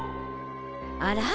あら？